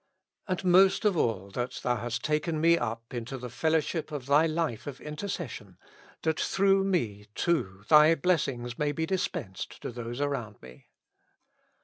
And most of all, that Thou hast taken me up into the fellowship of Thy life of in tercession, that through me too Thy blessings may be dispensed to those around me.